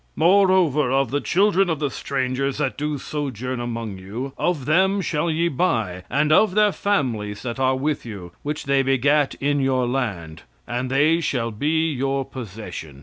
"Moreover, of the children of the strangers that do sojourn among you, of them shall ye buy, and of their families that are with you, which they begat in your land; and they shall be your possession.